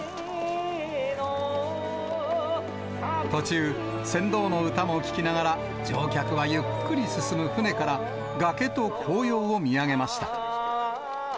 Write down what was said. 途中、船頭の歌も聴きながら、乗客はゆっくり進む舟から、崖と紅葉を見上げました。